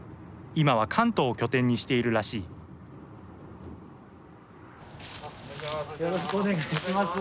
今は関東を拠点にしているらしいお願いします。